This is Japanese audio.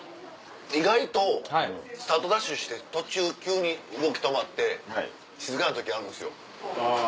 意外とスタートダッシュして途中急に動き止まって静かな時あるんですよ。